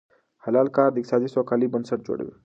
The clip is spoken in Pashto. حلال کار د اقتصادي سوکالۍ بنسټ جوړوي.